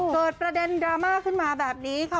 เกิดประเด็นดราม่าขึ้นมาแบบนี้ค่ะ